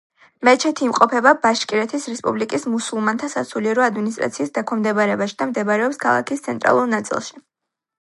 მეჩეთი იმყოფება ბაშკირეთის რესპუბლიკის მუსულმანთა სასულიერო ადმინისტრაციის დაქვემდებარებაში და მდებარეობს ქალაქის ცენტრალურ ნაწილში.